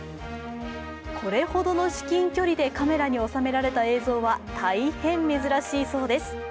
これほどの至近距離でカメラに収められた映像は大変珍しいそうです。